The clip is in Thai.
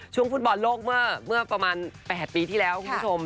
ฟุตบอลโลกเมื่อประมาณ๘ปีที่แล้วคุณผู้ชม